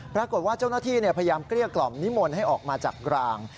ปรากฏว่าเจ้าหน้าที่พยายามเกลี้ยกล่อมนิมนต์ให้ออกมาจากราง